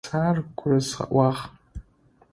Сэ ар гурызгъэӏуагъ.